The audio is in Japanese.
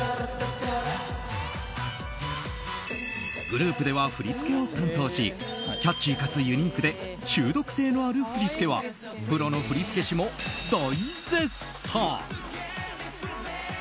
グループでは振り付けを担当しキャッチーかつユニークで中毒性のある振り付けはプロの振付師も大絶賛。